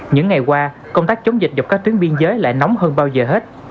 những ngày qua công tác chống dịch dọc các tuyến biên giới lại nóng hơn bao giờ hết